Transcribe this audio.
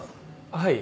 はい。